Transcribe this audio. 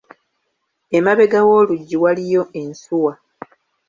Emabega w’oluggi waliiyo ensuwa.